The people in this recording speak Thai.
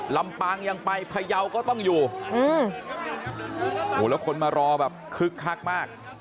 ลำปางยังไปพยาวก็ต้องอยู่อืมแล้วคนมารอแบบคึกคักมาก